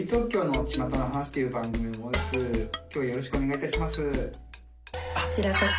こちらこそよろしくお願いいたします。